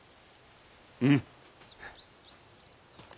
うん。